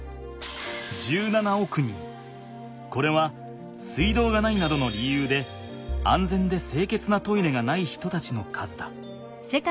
これは水道がないなどの理由で安全で清潔なトイレがない人たちの数だ。